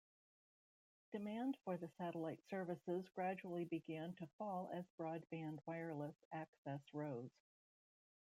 Demand for the satellite services gradually began to fall as broadband wireless access rose.